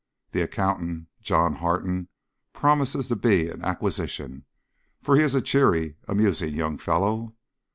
The accountant, John Harton, promises to be an acquisition, for he is a cheery, amusing young fellow.